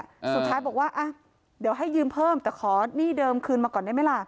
สุดท้ายบอกว่าอ่ะเดี๋ยวให้ยืมเพิ่มแต่ขอหนี้เดิมคืนมาก่อนได้ไหมล่ะ